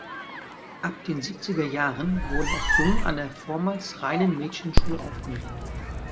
Ab den Siebzigerjahren wurden auch Jungen an der vormals reinen Mädchenschule aufgenommen.